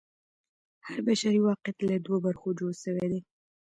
هر بشري واقعیت له دوو برخو جوړ سوی دی.